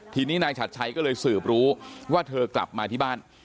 ทีนี้นายฉัดชัยก็เลยสืบรู้ว่าเธอกลับมาที่บ้าน